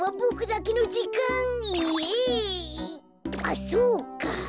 あっそうか。